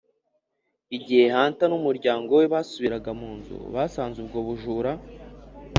igihe hunter n'umuryango we basubiraga mu nzu, basanze ubwo bujura.